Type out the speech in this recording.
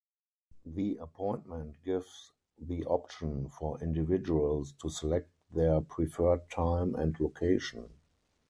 The appointment gives the option for individuals to select their preferred time and location.